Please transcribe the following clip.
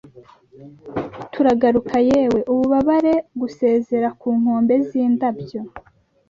turaguruka; yewe ububabare! gusezera ku nkombe z'indabyo